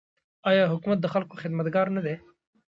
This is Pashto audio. آیا حکومت د خلکو خدمتګار نه دی؟